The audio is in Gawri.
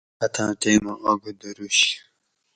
اتھاں ٹیمہ آگہ دروش